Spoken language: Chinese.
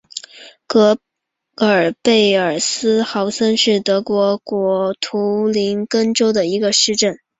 格尔贝尔斯豪森是德国图林根州的一个市镇。